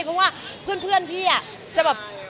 เพราะว่าเพื่อนพี่จะแบบ